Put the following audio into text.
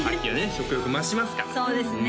食欲増しますからそうですね